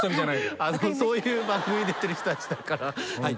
そういう番組やってる人たちだから。